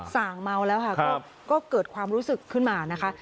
สั่งเมาแล้วค่ะก็เกิดความรู้สึกขึ้นมานะคะ